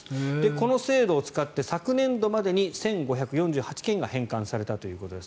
この制度を使って昨年度までに１５４８件が返還されたということです。